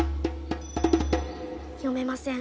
読めません。